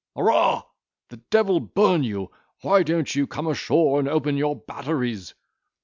Arrah! the devil burn you, why don't you come ashore and open your batteries?"